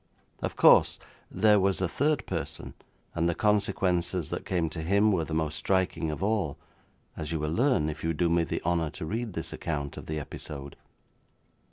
Of course, there was a third person, and the consequences that came to him were the most striking of all, as you will learn if you do me the honour to read this account of the episode.